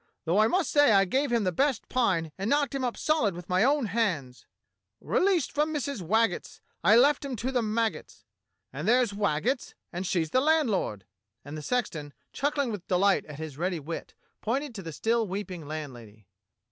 Though I must say I gave him the best pine and knocked him up solid with my own hands — "Released from Missus Waggetts I left him to the maggots — THE CAPTAIN 29 and there's Waggetts, and she's the landlord," and the sexton, chuckling with delight at his ready wit, pointed to the still weeping landlady.